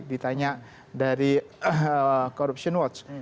ditanya dari corruption watch